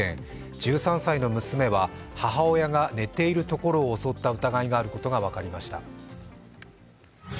１３歳の娘は、母親が寝ているところを襲った疑いがあることが分かりました。